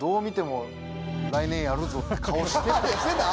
してた？